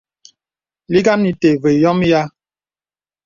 Lìgāŋ ìtə̀ və yɔ̄mə yìâ.